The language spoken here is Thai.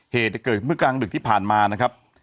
เหตุเกิดเมื่อกลางดึกที่ผ่านมานะครับ